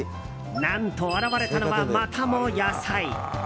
何と現れたのは、またも野菜。